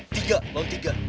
tiga bau tiga